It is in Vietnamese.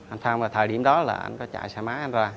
anh phong vào thời điểm đó là anh có chạy xe má anh ra